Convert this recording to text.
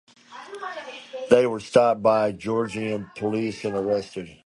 They were stopped by Georgian police and arrested.